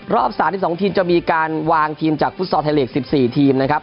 รอบสามที่สองทีมจะมีการวางทีมจากฟุตสอร์ทไทยเหลกสิบสี่ทีมนะครับ